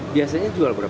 biasanya jual berapa